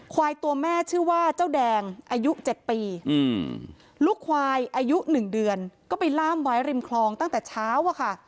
ควายตัวแม่ชื่อว่าเจ้าแดงอายุ๗ปีลูกควายอายุ๑เดือนก็ไปล่ามไว้ริมคลองตั้งแต่เช้าอะค่ะ